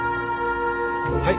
はい。